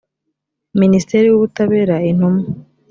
minisitiri w ubutabera intumwa